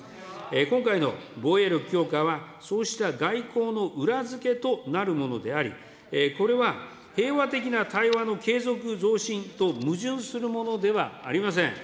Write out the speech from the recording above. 今回の防衛力強化は、そうした外交の裏付けとなるものであり、これは平和的な対話の継続増進と矛盾するものではありません。